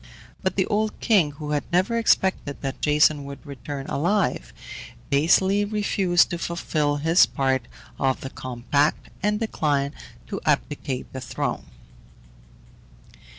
But the old king, who had never expected that Jason would return alive, basely refused to fulfil his part of the compact, and declined to abdicate the throne.